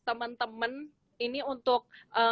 temen temen ini untuk